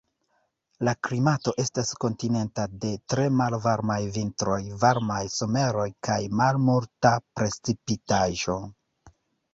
La klimato estas kontinenta de tre malvarmaj vintroj, varmaj someroj kaj malmulta precipitaĵo.